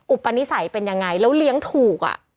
อุปนิสัยเป็นยังไงแล้วเลี้ยงถูก